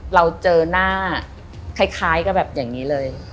เราเจอหน้าคล้ายกับแบบอย่างนี้เลย